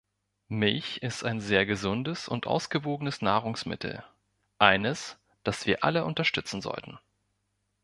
Milch ist ein sehr gesundes und ausgewogenes Nahrungsmittel, eines, das wir alle unterstützen sollten.